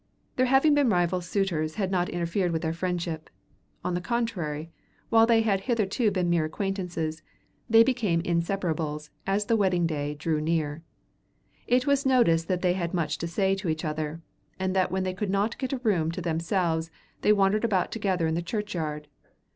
Their having been rival suitors had not interfered with their friendship. On the contrary, while they had hitherto been mere acquaintances, they became inseparables as the wedding day drew near. It was noticed that they had much to say to each other, and that when they could not get a room to themselves they wandered about together in the churchyard.